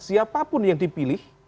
siapapun yang dipilih